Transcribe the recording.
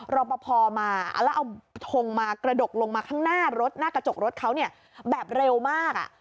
รอปภมาแล้วเอาทงมากระดกลงมาข้างหน้ารถหน้ากระจกรถเขาเนี่ยแบบเร็วมาก